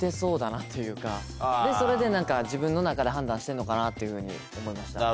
それで自分の中で判断してんのかなっていうふうに思いました。